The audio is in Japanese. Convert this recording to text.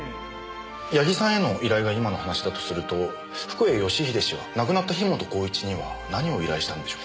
矢木さんへの依頼が今の話だとすると福栄義英氏は亡くなった樋本晃一には何を依頼したんでしょう？